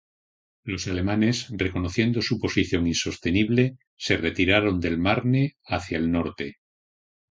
Los alemanes, reconociendo su posición insostenible, se retiraron del Marne hacia el norte.